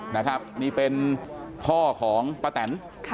นี่เป็นพ่อของปะแต่น